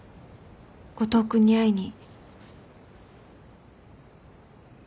五島君に会いに。